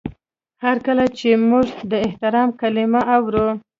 هر کله چې موږ د احترام کلمه اورو.